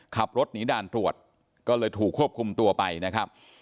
ขับรถหนีด่านตรวจก็เลยถูกควบคุมตัวไปนะครับ